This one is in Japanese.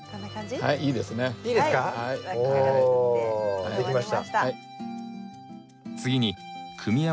はい出来ました。